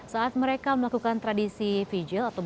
saat mereka melakukan tradisi